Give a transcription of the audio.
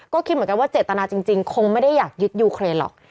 ก็คิดเหมือนกันว่าเจตนาจริงคงไม่ได้อยากยึดยูเครนหรอก